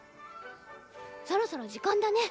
そろそろ時間だね。